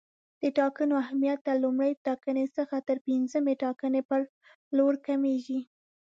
د ټاکنو اهمیت له لومړۍ ټاکنې څخه تر پنځمې ټاکنې پر لور کمیږي.